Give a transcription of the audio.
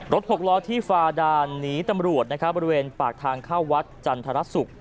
รถพกล้อที่ฟาดานหนีตำรวจบริเวณปากทางเข้าวัดจันทรสุก